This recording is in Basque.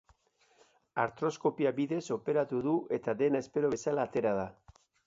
Artroskopia bidez operatu du eta dena espero bezala atera da.